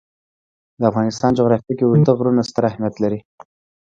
د افغانستان جغرافیه کې اوږده غرونه ستر اهمیت لري.